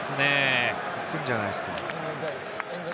いくんじゃないですかね。